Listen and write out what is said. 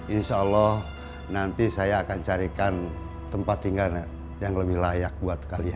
insya allah nanti saya akan carikan tempat tinggal yang lebih layak buat kalian